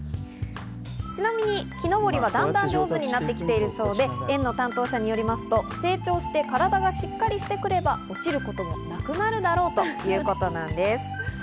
ちなみに木登りはだんだんと上手になってきているそうで、園の担当者によりますと、成長して体がしっかりしてくれば落ちることもなくなるだろうということなんです。